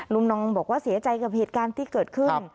นองบอกว่าเสียใจกับเหตุการณ์ที่เกิดขึ้น